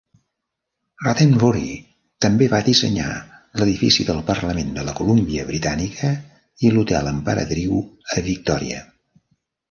Rattenbury també va dissenyar l'edifici del Parlament de la Columbia Britànica i l'hotel Emperadriu a Victòria.